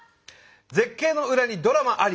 絶景の裏にドラマあり。